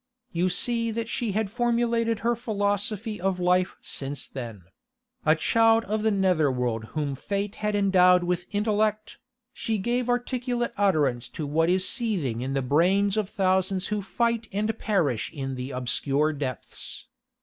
You see that she had formulated her philosophy of life since then; a child of the nether world whom fate had endowed with intellect, she gave articulate utterance to what is seething in the brains of thousands who fight and perish in the obscure depths.